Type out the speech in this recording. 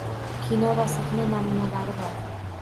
Kino va sahna namunalari bor?